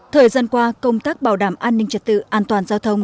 thời gian qua công tác bảo đảm an ninh trật tự an toàn giao thông